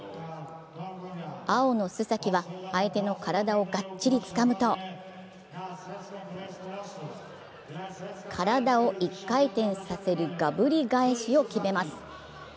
青の須崎は相手の体をがっちりつかむと体を一回転させる、がぶり返しを決めます。